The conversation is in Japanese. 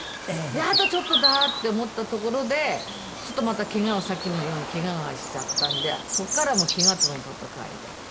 あとちょっとだって思ったところでちょっとまたさっきのようにケガをしちゃったんでそこからもうケガとの闘いで。